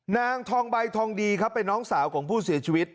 นางทองใบทองดีครับเป็นน้องสาวของผู้เสียชีวิต